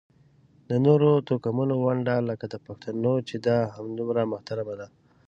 د نورو توکمونو ونډه لکه د پښتنو چې ده همدومره محترمه ده.